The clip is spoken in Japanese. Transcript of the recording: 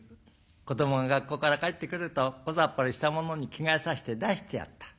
子どもが学校から帰ってくるとこざっぱりしたものに着替えさせて出してやった。